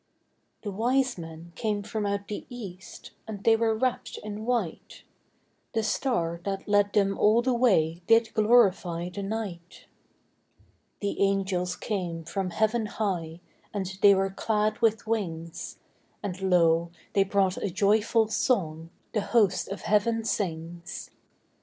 The wise men came from out the east, And they were wrapped in white; The star that led them all the way Did glorify the night. The angels came from heaven high, And they were clad with wings; And lo, they brought a joyful song The host of heaven sings.